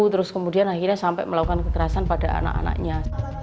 terus kemudian akhirnya sampai melakukan kekerasan pada anak anaknya